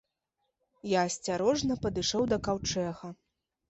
Я асцярожна падышоў да каўчэга.